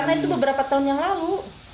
karena itu beberapa tahun yang lalu